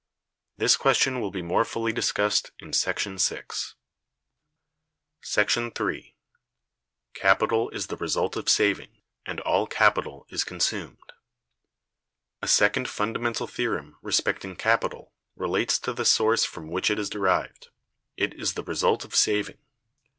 This question will be more fully discussed in § 6. § 3. Capital is the result of Saving, and all Capital is Consumed. A second fundamental theorem respecting capital relates to the source from which it is derived. It is the result of saving.